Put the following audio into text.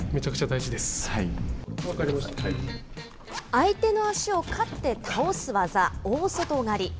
相手の足を刈って倒す技、大外刈り。